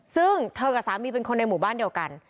ซึ่งเธอกับสามีเป็นคนในหมู่บ้านเดียวกัน